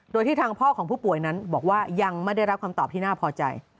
โดยที่ทางพ่อของผู้ป่วยนั้นบอกว่ายังไม่ได้รับคำตอบที่น่าพอใจ